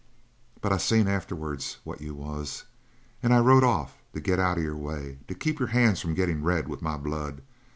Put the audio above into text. But I seen afterwards what you was, and I rode off to get out of your way to keep your hands from gettin' red with my blood.